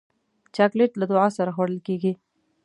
چاکلېټ له دعا سره خوړل کېږي.